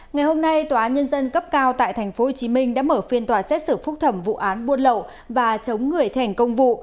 ngày hôm nay tòa án nhân dân cấp cao tại tp hcm đã mở phiên tòa xét xử phúc thẩm vụ án buôn lậu và chống người thành công vụ